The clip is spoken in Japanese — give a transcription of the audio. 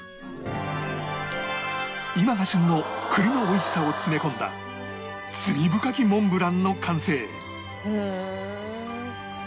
今が旬の栗のおいしさを詰め込んだ罪深きモンブランの完成ふーん！